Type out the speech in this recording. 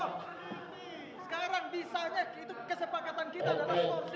sekarang bisanya itu kesepakatan kita dalam storsi